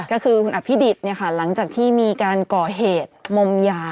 ก็คือคุณอภิดิษฐ์หลังจากที่มีการก่อเหตุมอมยา